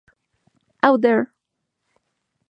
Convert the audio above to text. Out There!